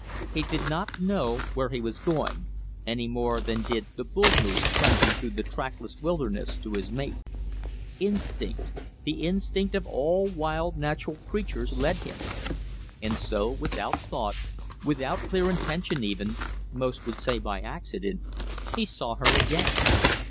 He did not know where he was going, any more than did the bull moose plunging through the trackless wilderness to his mate. Instinct, the instinct of all wild natural creatures, led him. And so, without thought, without clear intention even, most would say by accident, he saw her again.